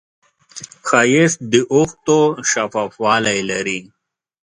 ښایست د اوښکو شفافوالی لري